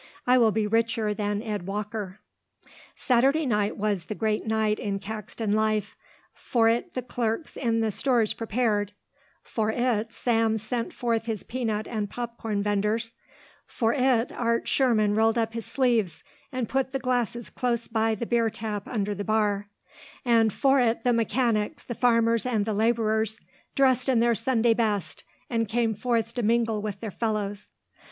"I will be richer than Ed Walker." Saturday night was the great night in Caxton life. For it the clerks in the stores prepared, for it Sam sent forth his peanut and popcorn venders, for it Art Sherman rolled up his sleeves and put the glasses close by the beer tap under the bar, and for it the mechanics, the farmers, and the labourers dressed in their Sunday best and came forth to mingle with their fellows.